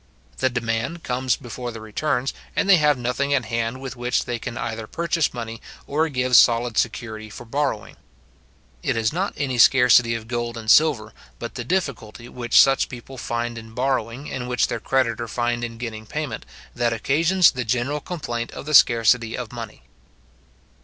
The demand comes before the returns, and they have nothing at hand with which they can either purchase money or give solid security for borrowing. It is not any scarcity of gold and silver, but the difficulty which such people find in borrowing, and which their creditor find in getting payment, that occasions the general complaint of the scarcity of money.